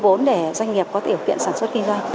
vốn để doanh nghiệp có thể hiểu kiện sản xuất kinh doanh